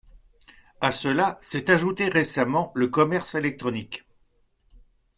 À cela s'est ajouté récemment le commerce électronique.